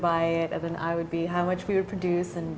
saya akan berbagi tentang berapa banyak yang akan kita produksi